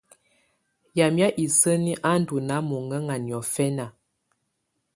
Yamɛ̀á isǝni á ndù nàà mɔŋǝŋa niɔfɛna.